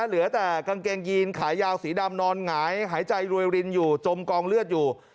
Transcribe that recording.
เหลือแต่กางเกงยีนขายาวสีดำนอนหงายหายใจรวยรินอยู่จมกองเลือดอยู่